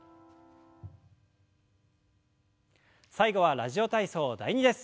最後は「ラジオ体操第２」です。